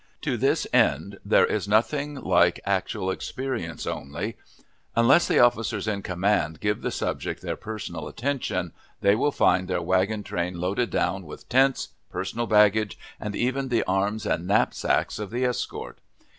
To this end there is nothing like actual experience, only, unless the officers in command give the subject their personal attention, they will find their wagon trains loaded down with tents, personal baggage, and even the arms and knapsacks of the escort.